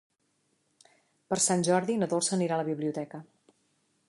Per Sant Jordi na Dolça anirà a la biblioteca.